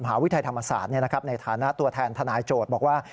วิทยาลธรรมศาสตร์ในฐานะตัวแทนทนายโจทย์บอกว่า